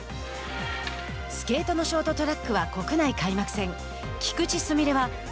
スケートのショートトラックは国内開幕戦。